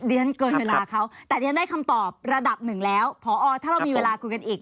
เรียนเกินเวลาเขาแต่เรียนได้คำตอบระดับหนึ่งแล้วพอถ้าเรามีเวลาคุยกันอีก